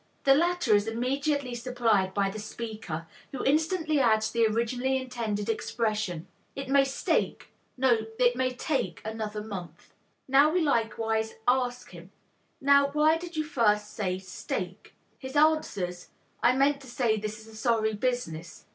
The latter is immediately supplied by the speaker, who instantly adds the originally intended expression. "It may stake no, it may take another month." Now we likewise ask him to express the interfering meaning; we ask him: "Now, why did you first say stake?" He answers, "I meant to say 'This is a sorry business.'"